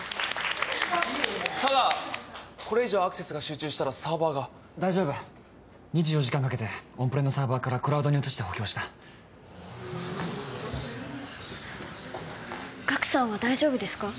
ただこれ以上アクセスが集中したらサーバーが大丈夫２４時間かけてオンプレのサーバーからクラウドに移して補強したおおガクさんは大丈夫ですか？